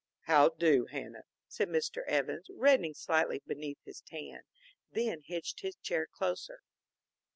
"How do, Hanna," said Mr. Evans, reddening slightly beneath his tan. Then hitched his chair closer.